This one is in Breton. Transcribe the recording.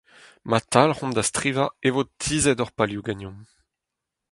Ma talc'homp da strivañ e vo tizhet hor palioù ganeomp !